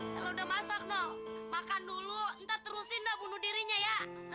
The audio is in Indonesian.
kalau udah masak nok makan dulu ntar terusin dah bunuh dirinya ya